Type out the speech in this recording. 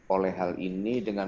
oleh hal ini dengan